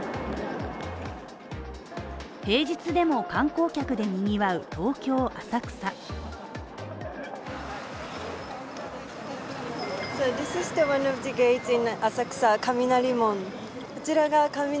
平日でも観光客で賑わう東京・浅草。